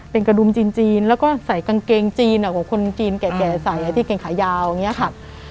เป็นกระดุมจีนแล้วก็ใส่กางเกงจีนกว่าคนจีนแก่ใส่ที่เกงขายาวอย่างนี้ค่ะ